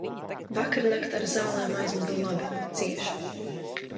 Vakarnakt ar zālēm aizmigu labi, cieši.